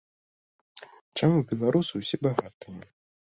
Чаму беларусы ўсе багатыя?